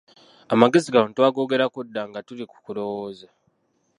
Amagezi gano twagoogerako dda nga tuli ku kulowooza.